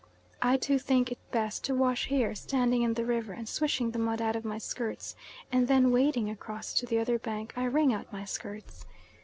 I too think it best to wash here, standing in the river and swishing the mud out of my skirts; and then wading across to the other bank, I wring out my skirts.